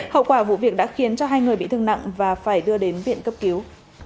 hậu quả vụ việc đã khiến hai người bị thương nặng và phải đưa đến viện cấp cứu